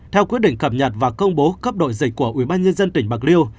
theo quyết định cập nhật và công bố cấp đội dịch của ubnd tỉnh bạc liêu